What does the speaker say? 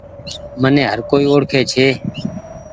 مني هر ڪوئي اوڙکي ڇي۔